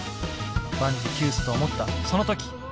万事休すと思ったその時。